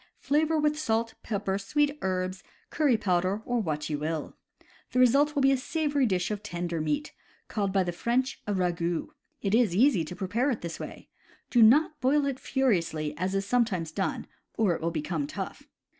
Flavor with salt, pepper, sweet herbs, curry powder or what you will. The result will be a savory dish of tender meat, called by the French a ragout. It is easy to prepare it this way. Do not boil it furiously as is sometimes done, or it will become tough.